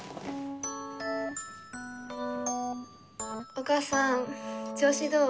お母さん調子どう？